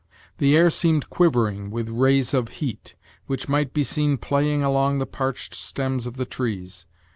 The air seemed quivering with rays of heat, which might be seen playing along the parched stems of the trees.